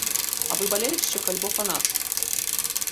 А вы балельшчык альбо фанат?